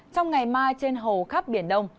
trong ngày mai trên hầu khắp biển đông